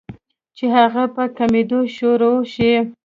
چې هغه پۀ کمېدو شورو شي